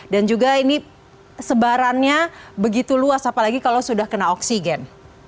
dan juga ini sebarannya begitu luas apalagi kalau sudah kena oksigen